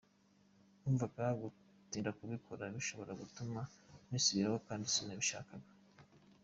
Numvaga gutinda kubikora bishobora gutuma nisubiraho kandi sinabishakaga.